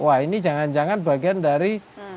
wah ini jangan jangan bagian dari